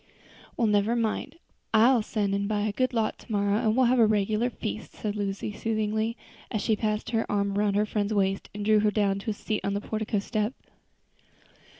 "Well, never mind, I'll send and buy a good lot tomorrow, and we'll have a regular feast," said Lucy, soothingly, as she passed her arm around her friend's waist and drew her down to a seat on the portico step.